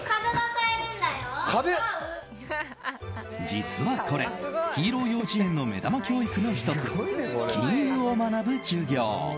実はこれ、ヒーロー幼児園の目玉教育の１つ金融を学ぶ授業。